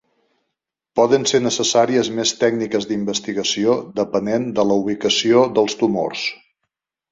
Poden ser necessàries més tècniques d'investigació depenent de la ubicació dels tumors.